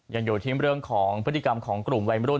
ยังอยู่ที่เรื่องของพฤติกรรมของกลุ่มวัยมรุ่น